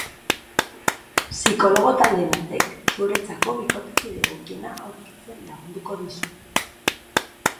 Psikologo talde batek zuretzako bikotekide egokiena aurkitzen lagunduko dizu.